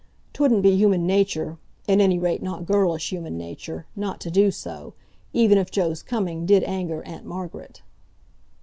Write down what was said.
'Twouldn't be human nature—at any rate, not girlish human nature—not to do so, even if Joe's coming did anger Aunt Margaret.